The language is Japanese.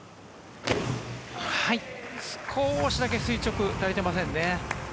少しだけ垂直足りていませんね。